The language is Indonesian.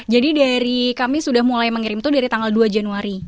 jadi dari kami sudah mulai mengirim itu dari tanggal dua januari